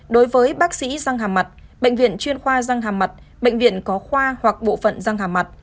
đối với bác sĩ răng hàm mặt bệnh viện chuyên khoa răng hàm mặt bệnh viện có khoa hoặc bộ phận răng hàm mặt